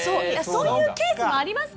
そういうケースもありますから。